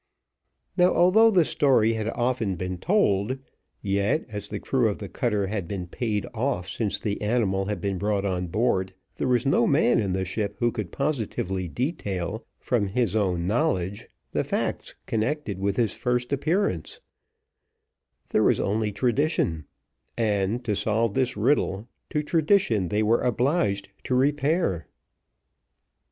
Now, although the story had often been told, yet, as the crew of the cutter had been paid off since the animal had been brought on board, there was no man in the ship who could positively detail, from his own knowledge, the facts connected with his first appearance there was only tradition, and, to solve this question, to tradition they were obliged to repair.